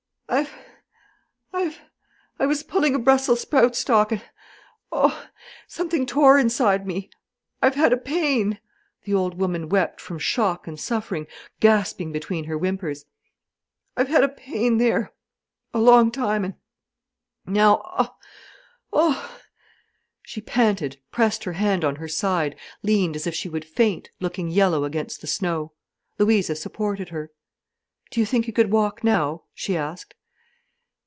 "I've—I've—I was pulling a brussel sprout stalk—and—oh h!—something tore inside me. I've had a pain," the old woman wept from shock and suffering, gasping between her whimpers—"I've had a pain there—a long time—and now—oh—oh!" She panted, pressed her hand on her side, leaned as if she would faint, looking yellow against the snow. Louisa supported her. "Do you think you could walk now?" she asked.